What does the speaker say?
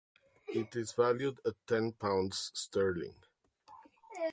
It is valued at ten pounds sterling.